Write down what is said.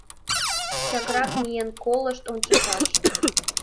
Чакрак миен колышт ончышаш...»